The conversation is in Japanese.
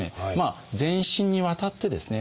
全身にわたってですね